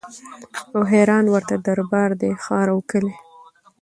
او حیران ورته دربار دی ښار او کلی